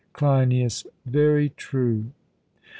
CLEINIAS: Very true.